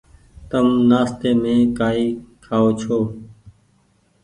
تم نآستي مين ڪآئي کآئو ڇو۔